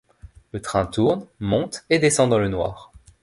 Le train tourne, monte et descend dans le noir.